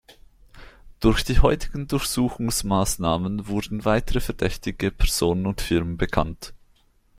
Durch die heutigen Durchsuchungsmaßnahmen wurden weitere verdächtige Personen und Firmen bekannt.